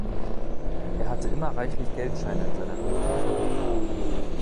Er hatte immer reichlich Geldscheine in seiner Brieftasche.